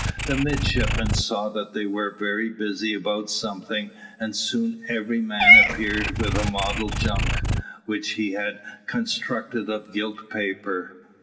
The midshipmen saw that they were very busy about something, and soon every man appeared with a model junk, which he had constructed of gilt paper.